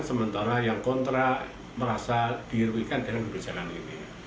sementara yang kontra merasa dirugikan dengan kebijakan ini